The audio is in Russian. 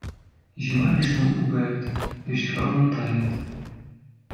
Зима весну пугает, да всё равно тает.